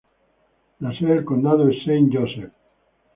La sede de condado es Saint Joseph.